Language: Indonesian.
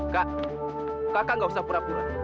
kak kaka nggak usah pura pura